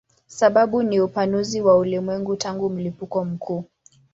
Sababu ni upanuzi wa ulimwengu tangu mlipuko mkuu.